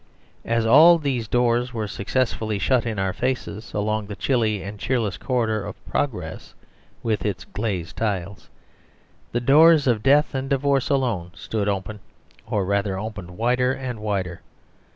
As all these doors were suc cessfully shut in our faces along the chilly and cheerless corridor of progress (with its glazed tiles) the doors of death and divorce alone stood open, or rather opened wider and wider.